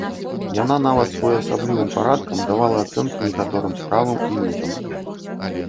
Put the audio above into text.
Яна нават своеасаблівым парадкам давала ацэнкі некаторым справам і людзям.